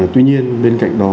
tuy nhiên bên cạnh đó